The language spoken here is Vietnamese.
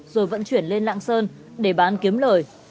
rồi vận chuyển lên lạng sơn để bán kiếm lời